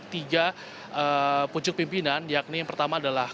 tiga pucuk pimpinan yakni yang pertama adalah